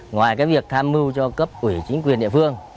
ngoài cái việc tham mưu cho cấp ủy chính quyền địa phương